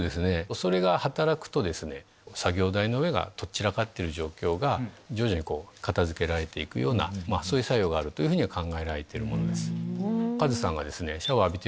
それが働くと作業台の上がとっ散らかってる状況が徐々に片付けられて行くようなそういう作用があるというふうに考えられてるものです。